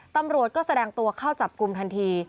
ตำรวจก็แสดงตัวเข้าจับกลุ่มทันที